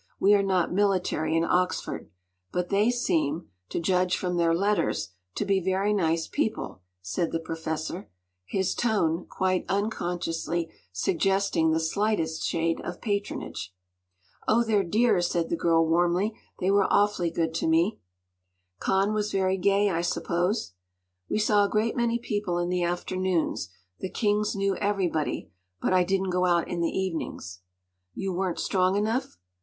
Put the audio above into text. We are not military in Oxford. But they seem—to judge from their letters—to be very nice people,” said the Professor, his tone, quite unconsciously, suggesting the slightest shade of patronage. “Oh, they’re dears,” said the girl warmly. “They were awfully good to me.” “Cannes was very gay, I suppose?” “We saw a great many people in the afternoons. The Kings knew everybody. But I didn’t go out in the evenings.” “You weren’t strong enough?